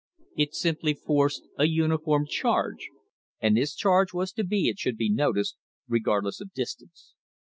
It simply forced a uniform charge, and this charge was to be, it should be noticed, regardless of distance.